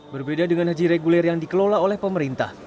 berbeda dengan haji reguler yang dikelola oleh pemerintah